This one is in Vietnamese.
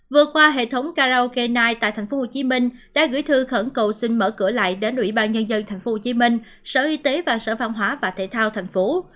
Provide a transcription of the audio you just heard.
vừa qua hệ thống karaoke tại tp hcm đã gửi thư khẩn cầu xin mở cửa lại đến ủy ban nhân dân tp hcm sở y tế và sở văn hóa và thể thao tp hcm